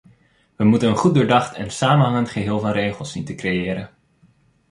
We moeten een goed doordacht en samenhangend geheel van regels zien te creëren.